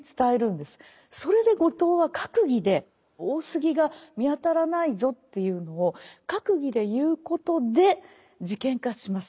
それで後藤は閣議で大杉が見当たらないぞっていうのを閣議で言うことで事件化します。